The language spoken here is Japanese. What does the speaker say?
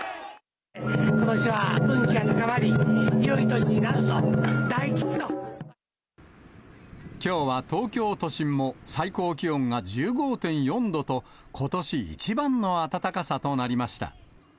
ことしは運気が高まり、きょうは東京都心も最高気温が１５．４度と、ことし一番の暖かさとなりました。